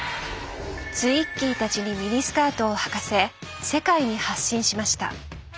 ツイッギーたちにミニスカートをはかせ世界に発信しました。